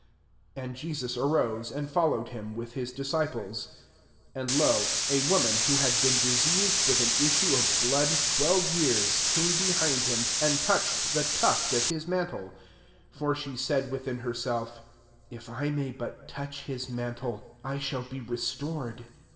19 And Jesus arose, and followed him, widi his disciples. 20 (And, lo, a woman, who had been dis eased with an issue of blood twelve years, came behind him^ and touched the tuft of his man tle: 21 for she said within herself '* If I may but touch bis man tle, I shall be restored."